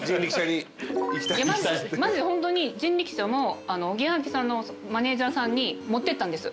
マジでホントに人力舎のおぎやはぎさんのマネジャーさんに持ってったんです